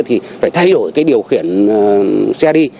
thì phải thay đổi cái điều khiển xe đi